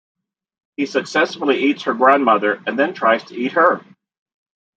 He successfully eats her grandmother, and then tries to eat her.